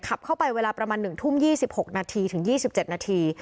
ขับเข้าไปเวลาประมาณ๑ทุ่ม๒๖นาทีถึง๒๗นาที